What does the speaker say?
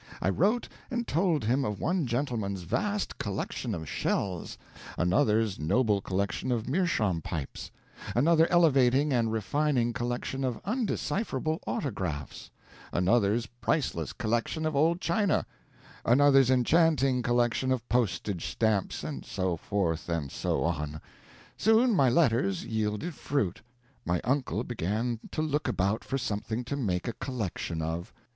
I wrote and told him of one gentleman's vast collection of shells; another's noble collection of meerschaum pipes; another's elevating and refining collection of undecipherable autographs; another's priceless collection of old china; another's enchanting collection of postage stamps and so forth and so on. Soon my letters yielded fruit. My uncle began to look about for something to make a collection of.